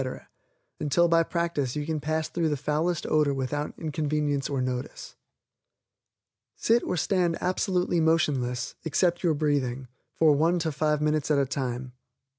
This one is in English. until by practice you can pass through the foulest odor without inconvenience or notice. Sit or stand absolutely motionless, except your breathing, for one to five minutes at a time.